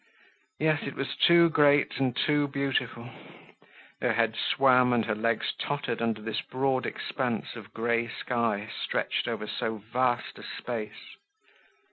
Yes, it was too great and too beautiful; her head swam and her legs tottered under this broad expanse of grey sky stretched over so vast a space.